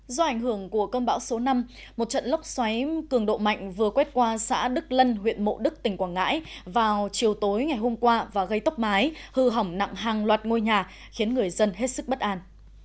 do ảnh hưởng của cơn bão số năm một trận lốc xoáy cường độ mạnh vừa quét qua xã đức lân huyện mộ đức tỉnh quảng ngãi vào chiều tối ngày hôm qua và gây tốc mái hư hỏng nặng hàng loạt ngôi nhà khiến người dân hết sức bất an